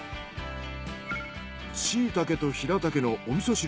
シイタケとヒラタケのお味噌汁。